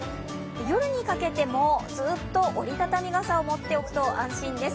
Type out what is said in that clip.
夜にかけてもずっと折り畳み傘を持っておくと安心です。